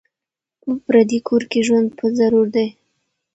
په پردي کور کي ژوند په ضرور دی